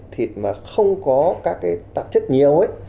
thịt mà không có các cái tạp chất nhiều ấy